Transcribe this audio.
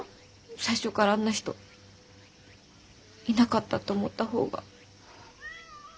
最初からあんな人いなかったと思った方が。